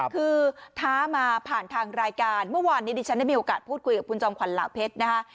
คือท้ามาผ่านทางรายการเมื่อวานนี้ดิฉันได้มีโอกาสพูดคุยกับคุณจอมขวัญเหล่าเพชรนะคะ